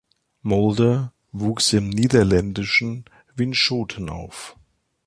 Mulder wuchs im niederländischen Winschoten auf.